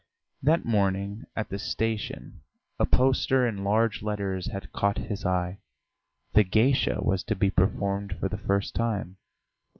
That morning at the station a poster in large letters had caught his eye. "The Geisha" was to be performed for the first time.